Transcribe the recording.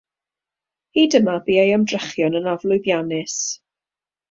Hyd yma, bu ei ymdrechion yn aflwyddiannus.